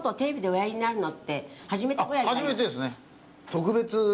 「あっ初めてですね」